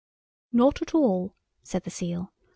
] "Not at all," said the seal.